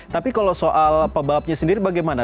tapi kalau soal pebalapnya sendiri bagaimana